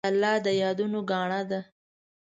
پیاله د یادونو ګاڼه ده.